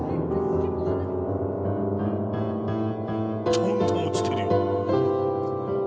どんどん落ちてるよ。